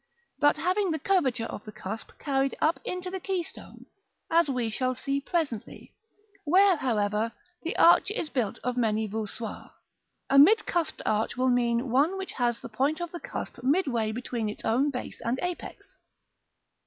but having the curvature of the cusp carried up into the keystone, as we shall see presently: where, however, the arch is built of many voussoirs, a mid cusped arch will mean one which has the point of the cusp midway between its own base and apex.